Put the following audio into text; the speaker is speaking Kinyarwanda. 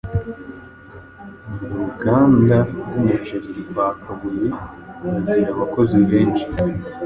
Mu Ruganda rw’Umuceri rwa kabuye bagira abakozi benshi.